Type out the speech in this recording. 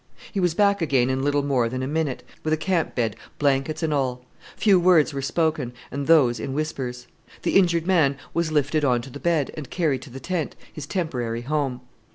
He was back again in little more than a minute, with a camp bed, blankets and all. Few words were spoken, and those in whispers. The injured man was lifted on to the bed, and carried to the tent, his temporary home.